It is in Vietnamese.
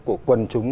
của quần chúng